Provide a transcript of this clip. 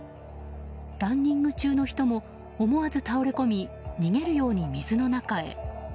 ランニング中の人も思わず倒れこみ逃げるように水の中へ。